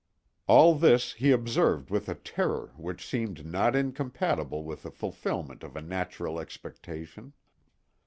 All this he observed with a terror which seemed not incompatible with the fulfillment of a natural expectation.